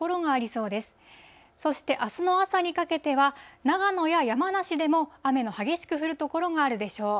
そしてあすの朝にかけては、長野や山梨でも雨の激しく降る所があるでしょう。